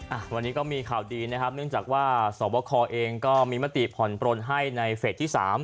อ่ะวันนี้ก็มีข่าวดีนะครับเนื่องจากว่าสวบคเองก็มีมติผ่อนปลนให้ในเฟสที่สาม